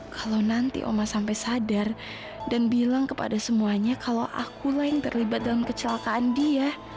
kalo nanti oma sampai sadar dan bilang kepada semuanya kalo aku lah yang terlibat dalam kecelakaan dia